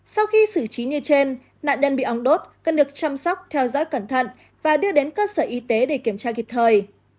sau khi xử trí như trên nạn nhân bị ong đốt cần được chăm sóc theo dõi cẩn thận và đưa đến cơ sở y tế để kiểm tra kịp thời